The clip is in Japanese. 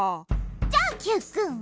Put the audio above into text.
じゃあＱくん